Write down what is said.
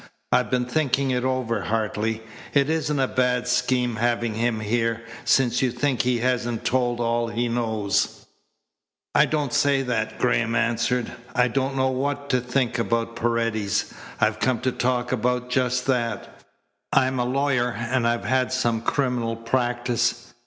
"I've been thinking it over, Hartley. It isn't a bad scheme having him here, since you think he hasn't told all he knows." "I don't say that," Graham answered. "I don't know what to think about Paredes. I've come to talk about just that. I'm a lawyer, and I've had some criminal practice.